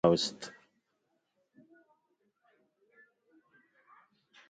نن احمد علي لاس نیولی خپل کورته را وست.